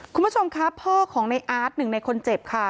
คุณผู้ชมค่ะพ่อของในอาร์ต๑ในคนเจ็บค่ะ